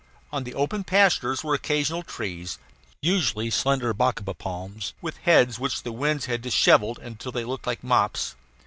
On the open pastures were occasional trees, usually slender bacaba palms, with heads which the winds had dishevelled until they looked like mops.